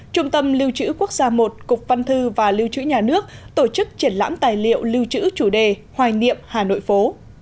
trung tâm lưu trữ quốc gia i cục văn thư và lưu trữ nhà nước tổ chức triển lãm tài liệu lưu trữ chủ đề hoài niệm hà nội phố